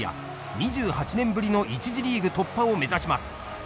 ２８年ぶりの１次リーグ突破を目指します。